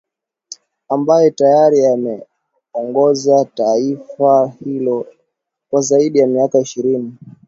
ambaye tayari ameongoza taifa hilo kwa zaidi ya miaka ishirini